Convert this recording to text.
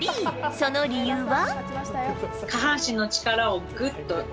その理由は？